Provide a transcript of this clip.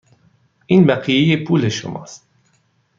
این بقیه پول شما است.